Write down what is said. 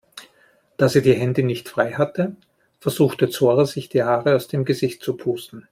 Da sie die Hände nicht frei hatte, versuchte Zora sich die Haare aus dem Gesicht zu pusten.